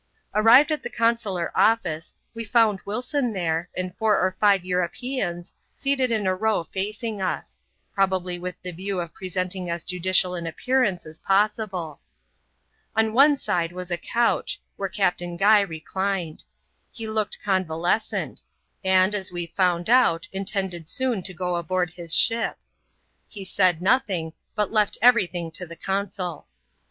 Arrived at the consular office, we found Wilson there, and four or five Europeans, seated in a row facing us; probably with the view of presenting as judicial an appearance as pos sible. On one side was a couch, where Captain Guy reclined. He looked convalescent ; and, as we found out, intended soon to go aboard his ship. He said nothing, but left everything to the consul.